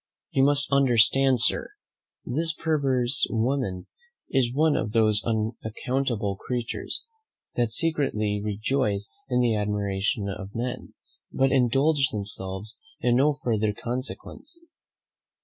You must understand, Sir, this perverse woman is one of those unaccountable creatures, that secretly rejoice in the admiration of men, but indulge themselves in no further consequences.